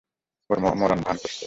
ও মরার ভান করছে!